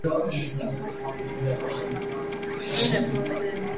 Գրված է միասյուն, շեղագիր, նոտագրով։